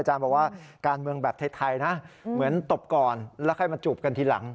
บอกว่าการเมืองแบบไทยนะเหมือนตบก่อนแล้วค่อยมาจูบกันทีหลัง